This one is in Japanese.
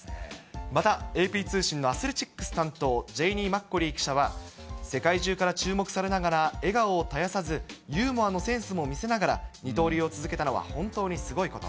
また、ＡＰ通信のアスレチックス担当、ジェイニー・マッコーリー記者は、世界中から注目されながら笑顔を絶やさず、ユーモアの精神も見せながら、二刀流を続けたのは本当にすごいこと。